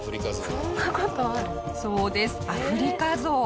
そうですアフリカゾウ。